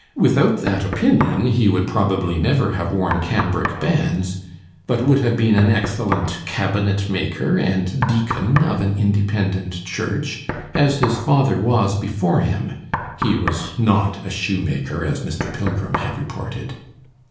Without that opinion he would probably never have worn cambric bands, but would have been an excellent cabinetmaker and deacon of an Independent church, as his father was before him (he was not a shoemaker, as Mr. Pilgrim had reported).